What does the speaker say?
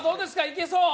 いけそう？